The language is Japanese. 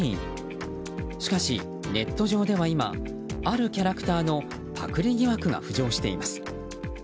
しかし、ネット上では今あるキャラクターのパクリ疑惑が浮上しています。